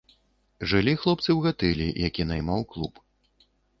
Жылі хлопцы ў гатэлі, які наймаў клуб.